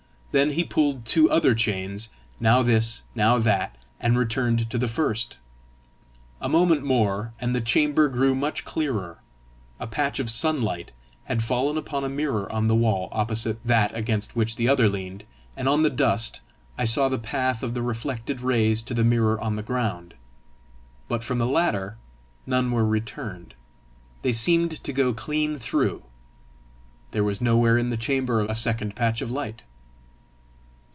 Then he pulled two other chains, now this, now that, and returned to the first. A moment more and the chamber grew much clearer: a patch of sunlight had fallen upon a mirror on the wall opposite that against which the other leaned, and on the dust I saw the path of the reflected rays to the mirror on the ground. But from the latter none were returned; they seemed to go clean through; there was nowhere in the chamber a second patch of light!